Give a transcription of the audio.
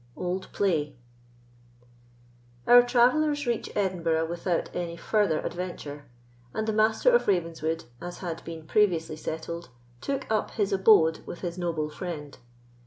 Old Play. Our travellers reach Edinburgh without any farther adventure, and the Master of Ravenswood, as had been previously settled, took up his abode with his noble friend.